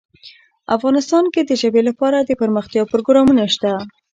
افغانستان کې د ژبې لپاره دپرمختیا پروګرامونه شته.